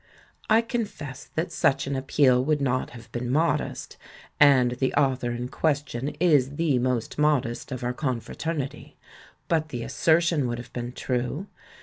I confess that such an ap peal would not have been modest — and the au thor in question is the most modest of our con fraternity — but the assertion would have been true.